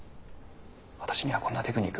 「私にはこんなテクニックがある」